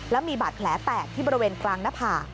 แล้วมีบาดแผลแตกที่บริเวณกลางหน้าผาก